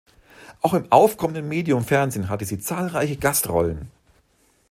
Auch im aufkommenden Medium Fernsehen hatte sie zahlreiche Gastrollen.